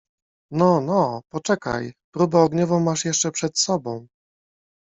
— No, no, poczekaj, próbę ogniową masz jeszcze przed sobą.